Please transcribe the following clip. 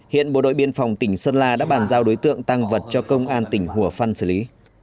hiện bộ đội biên phòng tỉnh sơn la đã bàn giao đối tượng tăng vật cho công an tỉnh hùa phân xử lý